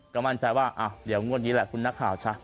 ก็มั่นใจว่าเดี๋ยวงวดนี้แหละคุณนักข่าวชะ